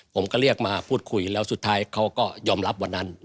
ผมก็เรียกมาพูดคุยแล้วสุดท้ายเขาก็ยอมรับวันนั้น